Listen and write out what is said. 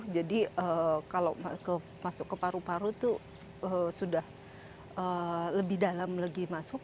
jadi kalau masuk ke paru paru itu sudah lebih dalam lagi masuk